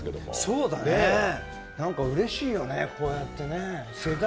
そうだね、なんかうれしいよね、こうやってね。